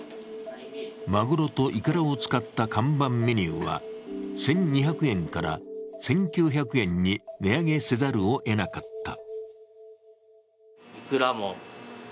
マグロとイクラを使った看板メニューは１２００円から１９００円に値上げせざるをえなかった。